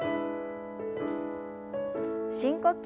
深呼吸。